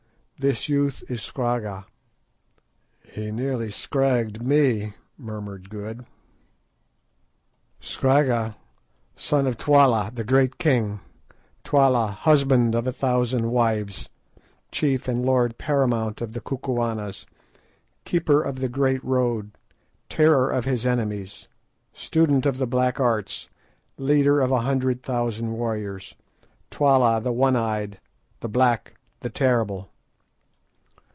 This youth is Scragga." "He nearly scragged me," murmured Good. "Scragga, son of Twala, the great king—Twala, husband of a thousand wives, chief and lord paramount of the Kukuanas, keeper of the great Road, terror of his enemies, student of the Black Arts, leader of a hundred thousand warriors, Twala the One eyed, the Black, the Terrible."